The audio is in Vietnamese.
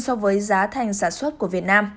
so với giá thành sản xuất của việt nam